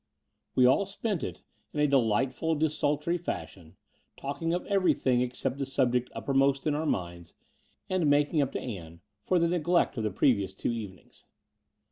We all spent it in a delightful desultory fashion, talking of everjrthing except the subject uppermost in our minds, and making up to Aim for the n^lect 18 274 The Door of die Unreal of the previous two evenings.